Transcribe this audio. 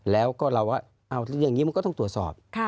แล้วก็เราว่าอย่างนี้มันก็ต้องตรวจสอบ